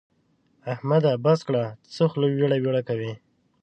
احمده! بس کړه؛ څه خوله ويړه ويړه کوې.